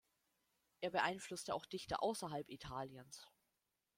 Er beeinflusste auch Dichter außerhalb Italiens.